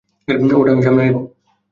ওটা আমি সামলে নিবো।